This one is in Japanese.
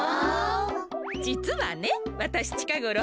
じつはねわたしちかごろ